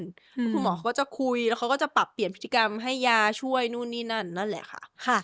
แล้วคุณหมอเขาก็จะคุยแล้วเขาก็จะปรับเปลี่ยนพฤติกรรมให้ยาช่วยนู่นนี่นั่นนั่นแหละค่ะ